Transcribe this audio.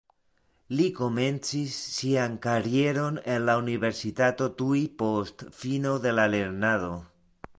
Li komencis sian karieron en la universitato tuj post fino de la lernado.